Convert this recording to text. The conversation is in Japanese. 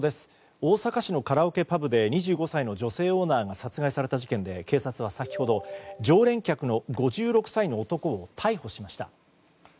大阪市のカラオケパブで２５歳の女性オーナーが殺害された事件で警察は先ほど常連客の５６歳の男を逮捕しました。